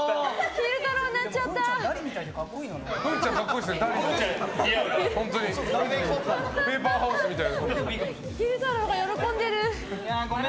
昼太郎が喜んでる。